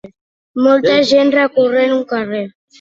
Molta gent recorrent un carrer.